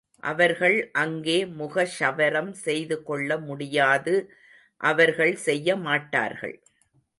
அவர்கள் அங்கே முக க்ஷவரம் செய்து கொள்ள முடியாது அவர்கள் செய்யமாட்டார்கள்.